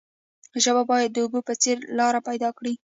ژبه باید د اوبو په څیر لاره پیدا کړي.